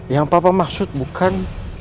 yang papa maksud bukan